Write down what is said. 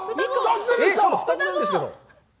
２つなんですけど。